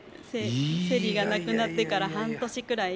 セリが亡くなってから半年くらい。